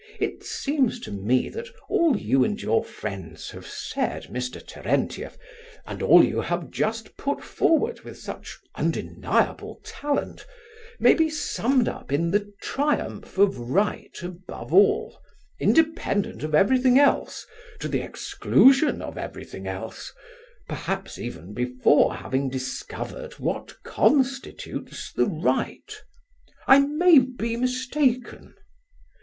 "It seems to me that all you and your friends have said, Mr. Terentieff, and all you have just put forward with such undeniable talent, may be summed up in the triumph of right above all, independent of everything else, to the exclusion of everything else; perhaps even before having discovered what constitutes the right. I may be mistaken?"